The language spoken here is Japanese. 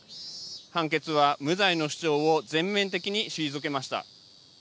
判決は無罪の主張を全面的に退けました。